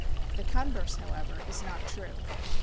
The converse, however is not true.